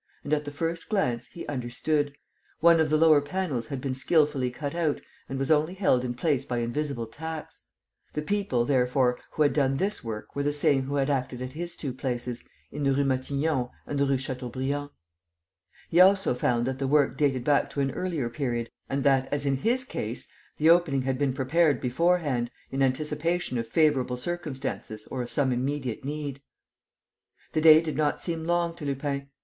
And, at the first glance, he understood: one of the lower panels had been skilfully cut out and was only held in place by invisible tacks. The people, therefore, who had done this work were the same who had acted at his two places, in the Rue Matignon and the Rue Chateaubriand. He also found that the work dated back to an earlier period and that, as in his case, the opening had been prepared beforehand, in anticipation of favourable circumstances or of some immediate need. The day did not seem long to Lupin.